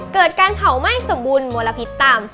เกิดการเผาไหม้สมบูรณ์มลพิษต่ำ